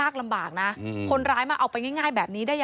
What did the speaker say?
เออมันก็เสียใจอะค่ะ